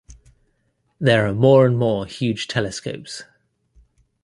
There are more and more huge telescopes.